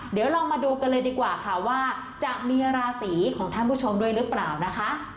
เดี๋ยวเรามาดูกันเลยดีกว่าค่ะว่าจะมีราศีของท่านผู้ชมด้วยหรือเปล่านะคะ